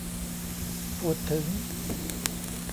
พูดถึง